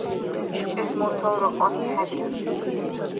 УчӀес мурталра кьанни хӀебирар.